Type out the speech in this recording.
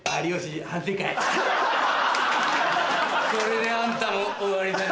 これであんたも終わりだな。